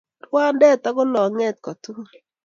Ruandet ak ko Long'et ko tuk